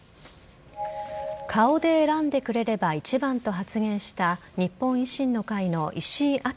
顔で選んでくれれば一番と発言した日本維新の会の石井章